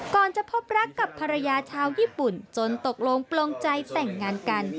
ก่อนจะพบรักกับภรรยาชาวญี่ปุ่นจนตกลงปลงใจแต่งงานกัน